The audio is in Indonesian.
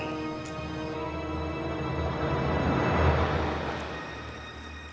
terima kasih raden